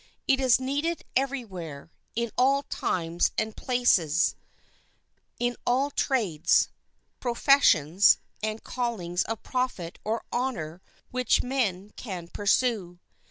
It is needed every where, in all times and places, in all trades, professions, and callings of profit or honor which men can pursue.